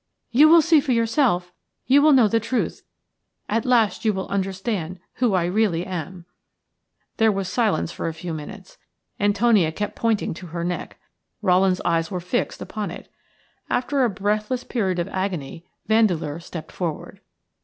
You will see for yourself, you will know the truth. At last you will understand who I really am." There was silence for a few minutes. Antonia kept pointing to her neck. Rowland's eyes were fixed upon it. After a breathless period of agony Vandeleur stepped forward.